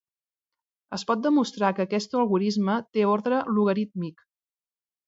Es pot demostrar que aquest algorisme té ordre logarítmic.